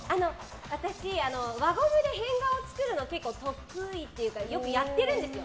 私、輪ゴムで変顔を作るのが結構得意というかよくやってるんですよ。